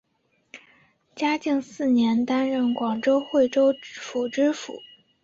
嘉靖四年担任广东惠州府知府。